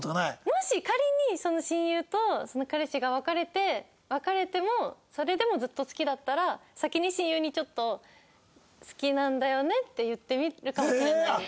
もし仮にその親友とその彼氏が別れて別れてもそれでもずっと好きだったら先に親友にちょっと「好きなんだよね」って言ってみるかもしれないです。